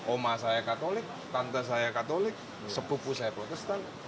oma saya katolik tante saya katolik sepupu saya protestan